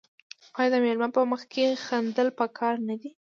آیا د میلمه په مخ کې خندل پکار نه دي؟